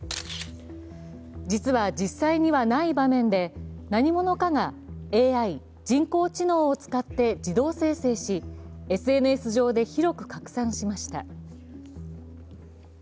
実は実際にはない場面で、何者かがＡＩ＝人工知能を使って自動生成しＳＮＳ上で広く拡散しました。